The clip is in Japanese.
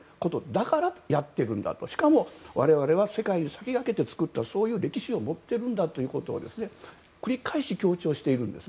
だから、やってるんだとしかも、我々は世界に先駆けて作ったという歴史を持っているんだということを繰り返し、強調していると。